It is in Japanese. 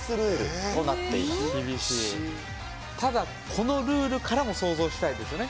ただこのルールからもソウゾウしたいですよね。